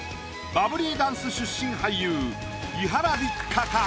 バブリーダンス出身俳優伊原六花か？